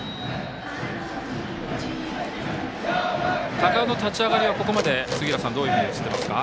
高尾の立ち上がりはここまで、杉浦さんどういうふうに映っていますか？